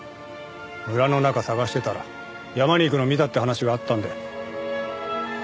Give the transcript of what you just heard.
村の中捜してたら山に行くのを見たって話があったんで。